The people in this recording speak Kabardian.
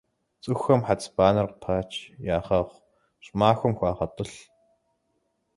ЦӀыхухэм хьэцыбанэр къыпач, ягъэгъу, щӀымахуэм хуагъэтӀылъ.